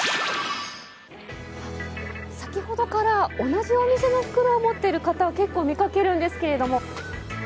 先ほどから同じお店の袋を持っている方を結構、見かけるんですけれども。